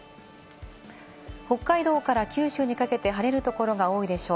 北海道から九州にかけて晴れるところが多いでしょう。